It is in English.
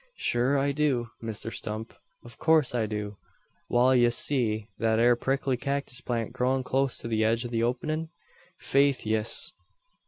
"Shure I do, Misther Stump. Av coorse I do." "Wal, ye see thet ere prickly cacktis plant growin' cloast to the edge o' the openin'?" "Faith, yis."